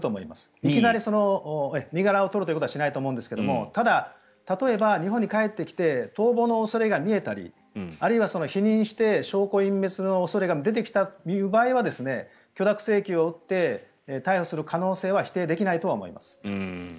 いきなり身柄を取るということはしないと思うんですがただ、例えば日本に帰ってきて逃亡の恐れが見えたりあるいは否認して証拠隠滅の恐れが出てきた場合は許諾請求を打って逮捕する可能性は否定できないとは思います。